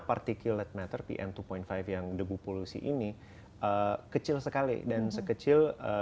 particulate matter pn dua lima yang debu polusi ini kecil sekali dan sekecil